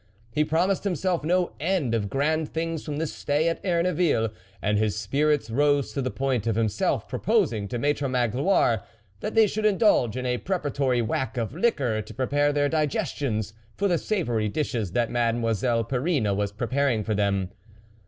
He promised himself no end of grand things from this stay at Erneville, and his spirits rose to the point of himself proposing to Maitre Magloire that they should indulge in a preparatory whack of liquor to prepare their diges tions for the savoury dishes that Mademoi selle Perrine was preparing for them.